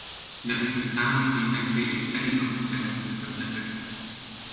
Nevükhöz számos vérengzés és erőszakos cselekmény köthető.